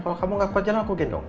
kalau kamu gak kuat jalan aku gendong